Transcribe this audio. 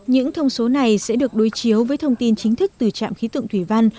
những thông số này sẽ được đối chiếu với thông tin chính thức từ trạm khí tượng thủy văn